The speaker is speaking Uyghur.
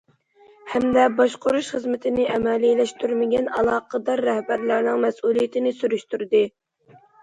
ھەمدە باشقۇرۇش خىزمىتىنى ئەمەلىيلەشتۈرمىگەن ئالاقىدار رەھبەرلەرنىڭ مەسئۇلىيىتىنى سۈرۈشتۈردى.